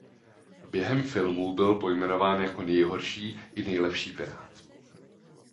Během filmů byl pojmenován jako "nejhorší" i "nejlepší" pirát.